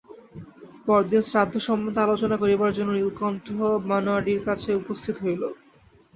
পরদিন শ্রাদ্ধ সম্বন্ধে অলোচনা করিবার জন্য নীলকণ্ঠ বনোয়ারির কাছে উপস্থিত হইল।